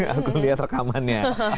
aku lihat rekamannya